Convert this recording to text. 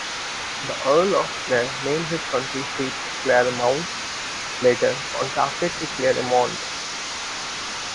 The Earl of Clare named his country seat Clare-mount, later contracted to Claremont.